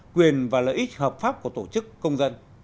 quyền và lợi ích hợp pháp của tổ chức công dân